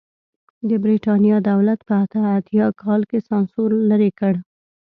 د برېټانیا دولت په اته اتیا کال کې سانسور لرې کړ.